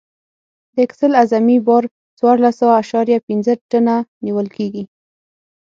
د اکسل اعظمي بار څوارلس اعشاریه پنځه ټنه نیول کیږي